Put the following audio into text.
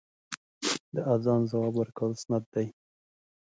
د اذان ځواب ورکول سنت دی .